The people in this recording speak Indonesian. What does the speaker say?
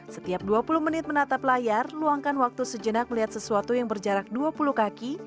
setiap dua puluh menit menatap layar luangkan waktu sejenak melihat sesuatu yang berjarak dua puluh kaki